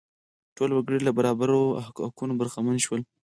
ټول وګړي له برابرو حقونو برخمن شول.